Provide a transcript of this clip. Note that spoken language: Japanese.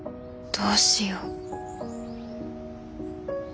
どうしよう。